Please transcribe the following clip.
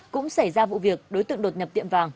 cũng xảy ra vụ việc đối tượng đột nhập tiệm vàng